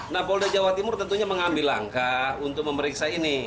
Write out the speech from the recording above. nah polda jawa timur tentunya mengambil langkah untuk memeriksa ini